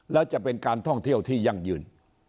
แล้วจะเป็นการท่องเที่ยวที่ยั่งยืน